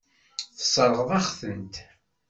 Tesseṛɣeḍ-aɣ-tent.